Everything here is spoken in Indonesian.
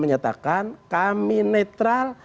menyatakan kami netral